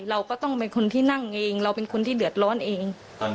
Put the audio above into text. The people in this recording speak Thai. เราก็ต้องเป็นคนที่นั่งเองเราเป็นคนที่เดือดร้อนเอง